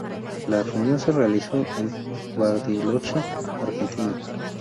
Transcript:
La reunión se realizó en Bariloche, Argentina.